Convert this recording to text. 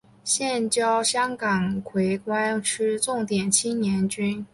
现教香港荃湾区重点青年军。